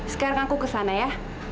sekarang aku ke sana ya